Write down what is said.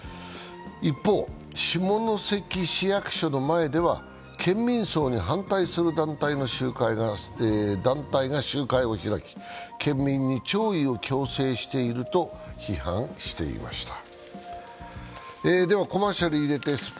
一方、下関市役所の前では県民葬に反対する団体が集会を開き、県民に弔意を強制していると批判していました。